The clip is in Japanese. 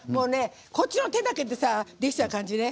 こっちの手だけでできちゃう感じね。